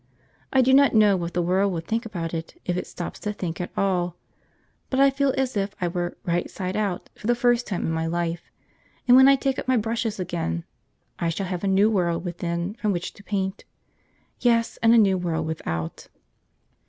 I do not know what the world will think about it, if it stops to think at all, but I feel as if I were 'right side out' for the first time in my life; and when I take up my brushes again, I shall have a new world within from which to paint, yes, and a new world without.